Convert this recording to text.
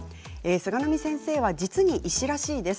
菅波先生は実に医師らしいです。